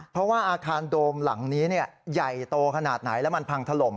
เพราะว่าอาคารโดมหลังนี้ใหญ่โตขนาดไหนแล้วมันพังถล่ม